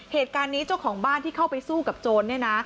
เหตุการณ์นี้เจ้าของบ้านที่เข้าไปสู้กับโจรเนี่ยนะ